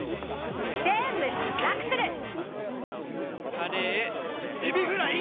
カレーエビフライ！